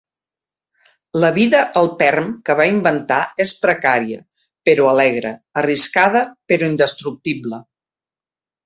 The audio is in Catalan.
La vida al Perm que va inventar és precària però alegre, arriscada però indestructible.